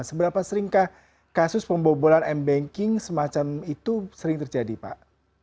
seberapa seringkah kasus pembobolan m banking semacam itu sering terjadi pak